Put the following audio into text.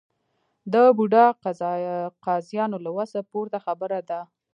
د بوډا قاضیانو له وسه پورته خبره ده.